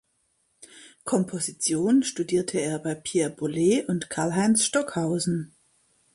Komposition studierte er bei Pierre Boulez und Karlheinz Stockhausen.